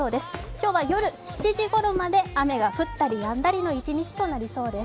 今日は、夜７時ごろまで雨が降ったりやんだりの一日となりそうです。